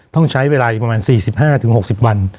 ต้องใช้เวลาอีกประมาณ๔๕๖๐วัน